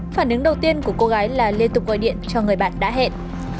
phản ứng đầu tiên của cô gái là liên tục gọi điện cho người bạn đã hẹn